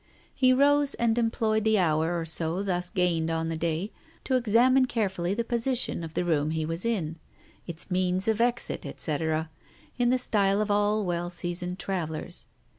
He rose and employed the hour or so thus gained on the day to examine carefully the position of the room he was in, its means of exit, etc., in the style of all well seasoned travellers.